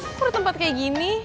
kok ada tempat kayak gini